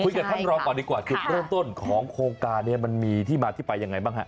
กับท่านรองก่อนดีกว่าจุดเริ่มต้นของโครงการนี้มันมีที่มาที่ไปยังไงบ้างฮะ